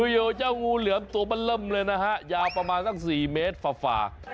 อยู่เจ้างูเหลือมตัวมันเริ่มเลยนะฮะยาวประมาณสัก๔เมตรฝ่า